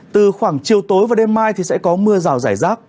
từ khoảng chiều tối và đêm mai thì sẽ có mưa rào rải rác